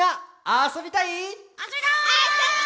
あそびたい！